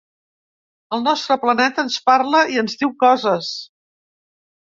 El nostre planeta ens parla i ens diu coses.